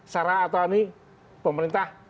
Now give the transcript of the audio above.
sarah atau ani pemerintah